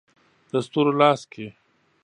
د ستورو لاس کې